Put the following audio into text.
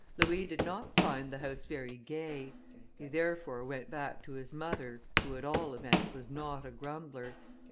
Louis did not find the house very gay; he therefore went back to his mother, who, at all events, was not a grumbler.